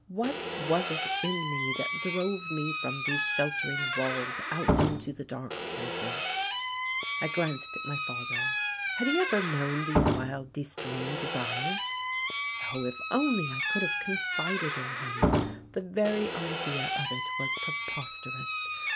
What was it in me that drove me from these sheltering walls out into the dark places? I glanced at my father. Had he ever known these wild, destroying desires? Oh, if I only could have confided in him! The very idea of it was preposterous.